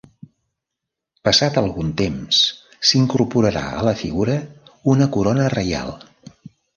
Passat algun temps s'incorporarà a la figura una corona reial.